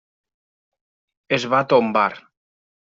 Es va tombar.